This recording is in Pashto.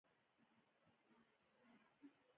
هر نوی کاروبار د ټولنې لپاره یوه هیله ده.